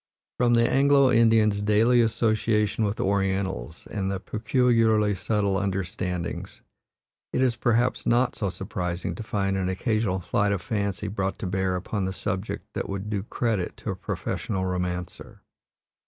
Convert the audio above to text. From the Anglo Indians' daily association with Orientals and their peculiarly subtle understandings, it is perhaps not so surprising to find an occasional flight of fancy brought to bear upon the subject that would do credit to a professional romancer.